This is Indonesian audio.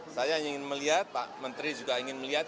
saya ingin melihat pak menteri juga ingin melihat